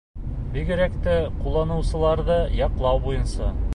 Бигерәк тә ҡулланыусыларҙы яҡлау буйынса.